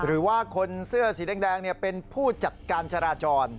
หรือว่าคนเสื้อสีแดงเป็นผู้จัดการจราจร